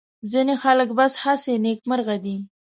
ځینې خلک بس هسې نېکمرغه دي.